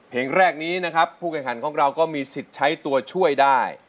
เพลงแรกนี้นะครับผู้แข่งขันของเราก็มีสิทธิ์ใช้ตัวช่วยได้